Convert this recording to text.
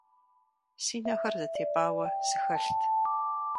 Си нэхэр зэтепӀауэ сыхэлът.